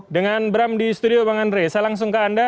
dengan bram di studio bang andre saya langsung ke anda